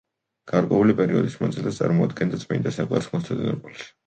გარკვეული პერიოდის მანძილზე წარმოადგენდა წმინდა საყდარს კონსტანტინოპოლში.